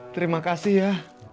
terima kasih ya